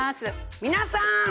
皆さん！